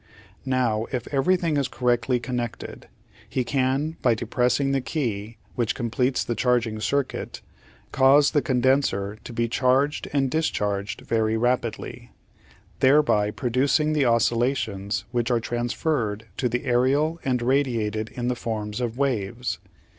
Now if everything is correctly connected, he can by depressing the key, which completes the charging circuit, cause the condenser to be charged and discharged very rapidly, thereby producing the oscillations which are transferred to the aerial and radiated in the form of waves.